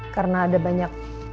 karena ada banyak